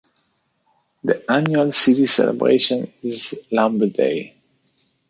The annual city celebration is Lamb Day.